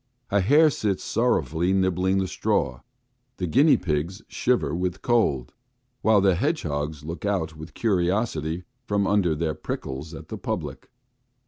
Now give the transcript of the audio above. A hare sits sorrowfully nibbling the straw. The guinea pigs shiver with cold, while the hedgehogs look out with curiosity from under their prickles at the public.